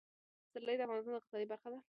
پسرلی د افغانستان د اقتصاد برخه ده.